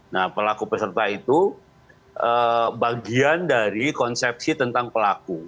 nah pelaku peserta itu bagian dari konsepsi tentang pelaku